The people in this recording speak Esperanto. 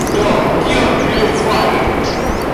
Do, kion plu fari?